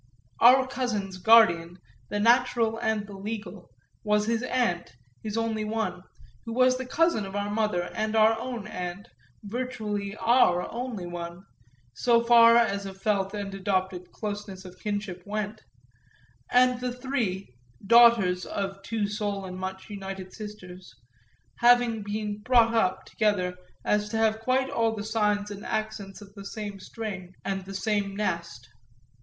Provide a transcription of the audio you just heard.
Our cousin's guardian, the natural and the legal, was his aunt, his only one, who was the cousin of our mother and our own aunt, virtually our only one, so far as a felt and adopted closeness of kinship went; and the three, daughters of two sole and much united sisters, had been so brought up together as to have quite all the signs and accents of the same strain and the same nest.